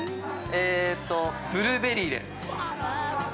◆ええっと、ブルーベリーで。